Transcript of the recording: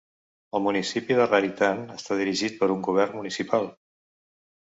El municipi de Raritan està dirigit per un govern municipal.